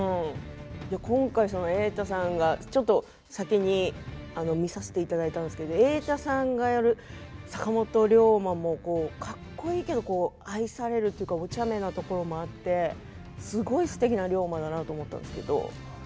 今回、瑛太さんがちょっと先に見させていただいたんですけど瑛太さんがやる坂本龍馬もかっこいいけど愛されるというかおちゃめなところもあってすごいすてきな龍馬だなと思ったんですけど。